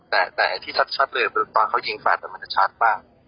แต่ที่สัดสัดเลยตอนเขายิงฝัดจะชัดบ้าง